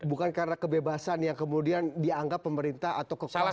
bukan karena kebebasan yang kemudian dianggap pemerintah atau kekuasaan